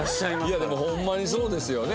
いやでもホンマにそうですよね。